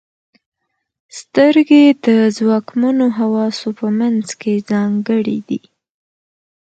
• سترګې د ځواکمنو حواسو په منځ کې ځانګړې دي.